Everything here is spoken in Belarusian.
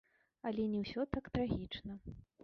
Але не ўсё так трагічна.